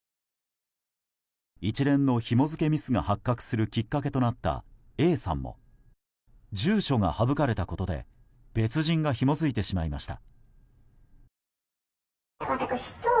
一連のひも付けミスが発覚するきっかけとなったＡさんも住所が省かれたことで別人がひも付いてしまいました。